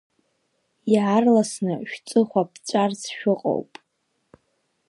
Иаарласны шәҵыхәа ԥҵәарц шәыҟоуп!